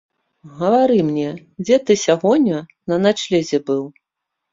Гавары мне, дзе ты сягоння на начлезе быў?